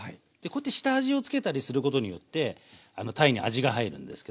で下味を付けたりすることによって鯛に味が入るんですけど。